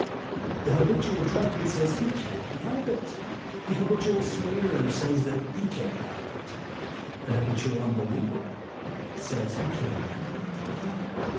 The habitual BELIEVE JUST NOW. 127 drunkard says, he " cannot help it ;^ the habitual swearer says, he " cannot help it;" the habitual unbeliever says, he " cannot help it."